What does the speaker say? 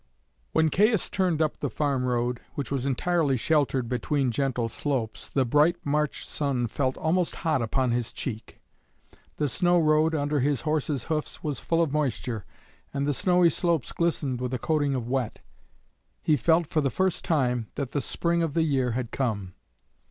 When Caius turned up the farm road, which was entirely sheltered between gentle slopes, the bright March sun felt almost hot upon his cheek. The snow road under his horse's hoofs was full of moisture, and the snowy slopes glistened with a coating of wet. He felt for the first time that the spring of the year had come.